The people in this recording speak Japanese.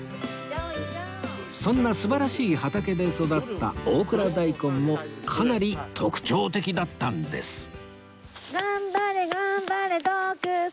そんな素晴らしい畑で育った大蔵大根もかなり特徴的だったんです